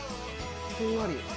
ふんわり。